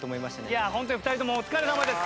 いやホントに２人ともお疲れさまです。